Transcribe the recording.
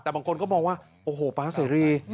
แต่บางคนก็มองว่าโอ้โหป๊าเสรี